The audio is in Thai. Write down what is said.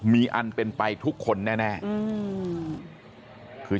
มีอันเป็นไปทุกคนแน่